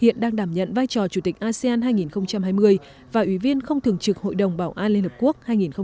hiện đang đảm nhận vai trò chủ tịch asean hai nghìn hai mươi và ủy viên không thường trực hội đồng bảo an liên hợp quốc hai nghìn hai mươi hai nghìn hai mươi một